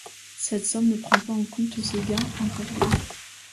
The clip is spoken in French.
Cette somme ne prend pas en compte ses gains en Cash game.